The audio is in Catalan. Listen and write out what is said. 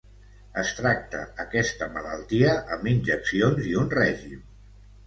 Es tracta aquesta malaltia amb injeccions i un règim.